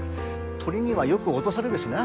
鳥にはよく落とされるしな。